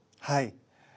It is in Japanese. はい。